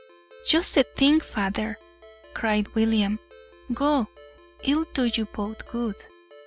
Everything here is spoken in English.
"Just the thing, father!" cried William. "Go it'll do you both good!"